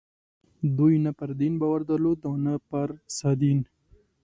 دوی نه پر دین باور درلود او نه پر سادین.